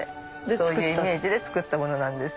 そういうイメージで作ったものなんです。